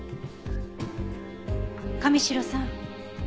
神城さん